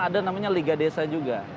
ada namanya liga desa juga